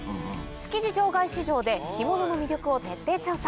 築地場外市場で干物の魅力を徹底調査。